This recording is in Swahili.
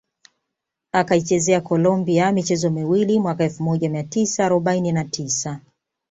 Akaichezea Colombia michezo miwili mwaka elfu moja mia tisa arobaini na tisa